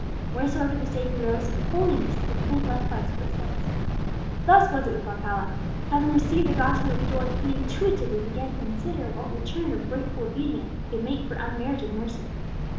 Wheresoever the Saviour goes, holiness is the print left by His footsteps. Thus was it with Alcala. Having received the gospel with joy, he intuitively began to consider what return of grateful obedience he could make for unmerited mercy.